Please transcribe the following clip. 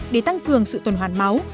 để tăng cường sự tuần hoàn máu